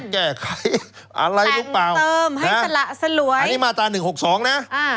แจ้ใครอะไรรึเปล่าแปลงเติมให้สละสลวยอันนี้มาตาหนึ่งหกสองน่ะอ่า